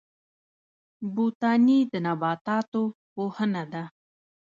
بوټاني د نباتاتو پوهنه ده